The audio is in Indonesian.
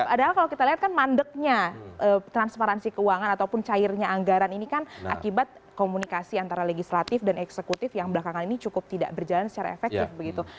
padahal kalau kita lihat kan mandeknya transparansi keuangan ataupun cairnya anggaran ini kan akibat komunikasi antara legislatif dan eksekutif yang belakangan ini cukup tidak berjalan secara efektif begitu